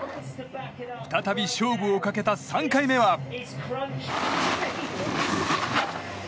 再び勝負をかけた３回目は。